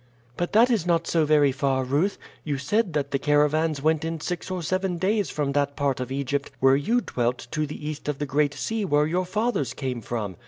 "But that is not so very far, Ruth. You said that the caravans went in six or seven days from that part of Egypt where you dwelt to the east of the Great Sea where your fathers came from."